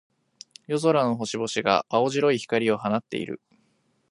夜空の星々が、青白い光を放っている。